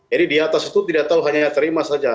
jadi di atas itu tidak tahu hanya terima saja